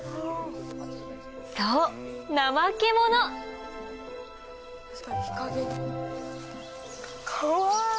そうナマケモノかわいい。